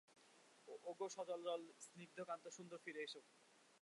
ওগো সজলজলস্নিগ্ধকান্ত সুন্দর, ফিরে এসো!